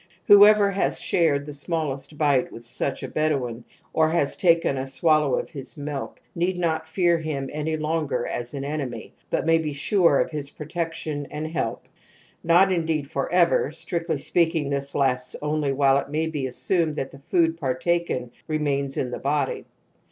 Whoever has shared the smallest bite with such a Bedouin, or has / 224 TOTEM AND TABOO t aken a sw allow ofhismilk, need ngLleaj him any longer as an enemj^, but maybe sure of Jiis protecti on_an4 ^^ el p > Not indeed, forever, ^ speaking this lasts only while it may be ^ I assumed that the food partaken remains in the (y" \t>ody.